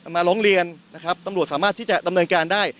มาร้องเรียนนะครับตำรวจสามารถที่จะดำเนินการได้